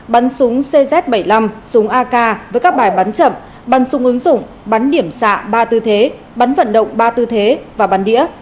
bắn súng cz bảy mươi năm súng ak với các bài bắn chậm bằng súng ứng dụng bắn điểm xạ ba tư thế bắn vận động ba tư thế và bắn đĩa